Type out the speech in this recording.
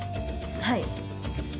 はい。